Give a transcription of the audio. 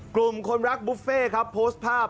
กลุ่มคนรักบุฟเฟ่ครับโพสต์ภาพ